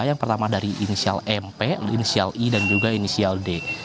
yang pertama dari inisial mp inisial i dan juga inisial d